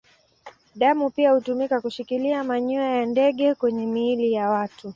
Damu pia hutumika kushikilia manyoya ya ndege kwenye miili ya watu.